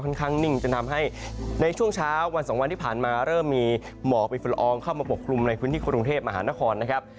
ข้างนิ่งจะทำให้ในช่วงเช้าวันสองวันที่ผ่านมาเริ่มมีหมอกมีฝุ่นละอองเข้ามาปกคลุมในพื้นที่กรุงเทพมหานครนะครับ